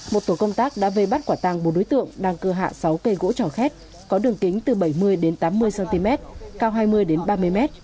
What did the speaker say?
một tổ công tác đã vây bắt quả tăng một đối tượng đang cơ hạ sáu cây gỗ trò khét có đường kính từ bảy mươi tám mươi cm cao hai mươi ba mươi m